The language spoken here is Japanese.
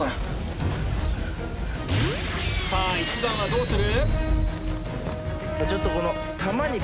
さぁ１番はどうする？